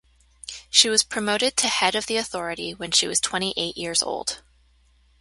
She was promoted to head of the Authority when she was twenty-eight years old.